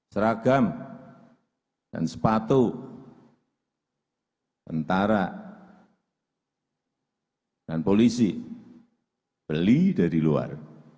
seragam dan sepatu tentara dan polisi beli dari luar